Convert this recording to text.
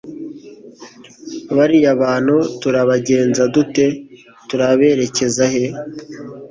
bariya bantu turabagenza dute? turaberekeza he